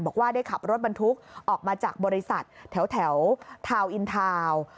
บอกว่าได้ขับรถบรรทุกออกมาจากบริษัทแถวทาวน์อินทาวน์